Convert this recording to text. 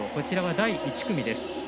第１組です。